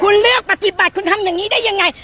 คุณเลือกปฏิบัติคุณทำอย่างนี้ได้ยังไง